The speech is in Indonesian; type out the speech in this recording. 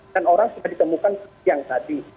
dan orang sudah ditemukan siang tadi